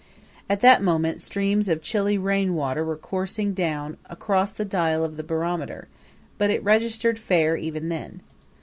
At that moment streams of chilly rain water were coursing down across the dial of the barometer, but it registered fair even then.